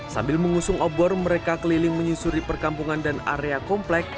sambil mengusung obor mereka keliling menyusuri perkampungan dan area komplek